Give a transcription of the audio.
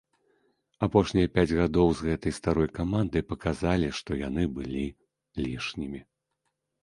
Апошнія пяць гадоў з гэтай старой камандай паказалі, што яны былі лішнімі.